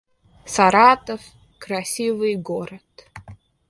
Саратов — красивый город